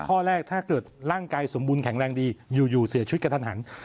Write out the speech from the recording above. ข้อแรกถ้าเกิดร่างกายสมบูรณแข็งแรงดีอยู่เสียชีวิตกระทันหัน